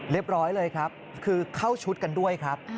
ร้อยเลยครับคือเข้าชุดกันด้วยครับ